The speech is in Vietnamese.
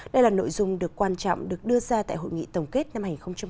đây là nội dung được quan trọng được đưa ra tại hội nghị tổng kết năm hai nghìn một mươi chín